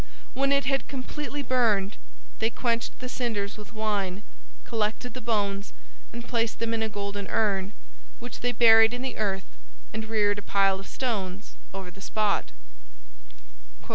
When it had completely burned, they quenched the cinders with wine, collected the bones and placed them in a golden urn, which they buried in the earth, and reared a pile of stones over the spot.